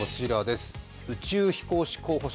宇宙飛行士候補者